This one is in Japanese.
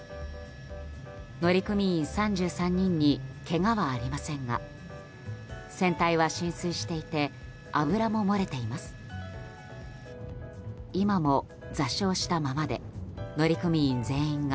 乗組員３３人にけがはありませんが船体は浸水していて油も漏れています。